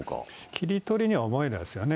切り取りには思えないですよね。